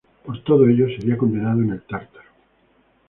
Por todo ello sería condenado en el Tártaro.